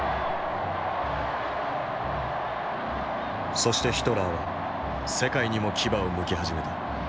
そしてヒトラーは世界にも牙をむき始めた。